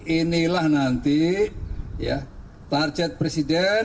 inilah nanti target presiden